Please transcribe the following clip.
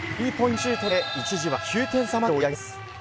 シュートで一時は、９点差まで追い上げます。